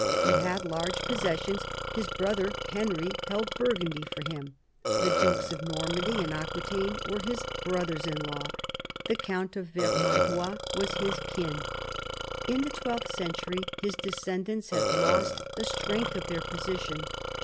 He had large possessions, his brother Henry held Burgundy for him, the dukes of Normandy and Aquitaine were his brothers in law, the count of Vermandois was of his kin. In the twelfth century his descendants had lost the strength of his position.